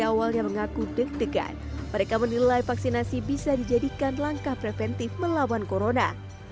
awalnya mengaku deg degan mereka menilai vaksinasi bisa dijadikan langkah preventif melawan corona